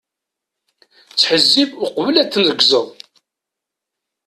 Ttḥezzib uqbel ad tneggzeḍ.